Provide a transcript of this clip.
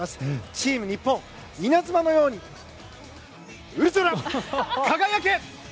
チーム日本稲妻のようにウルトラ輝け！